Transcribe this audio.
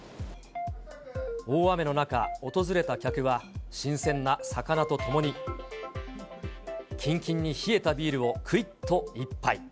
大雨の中、訪れた客は新鮮な魚とともにキンキンに冷えたビールをくいっと一杯。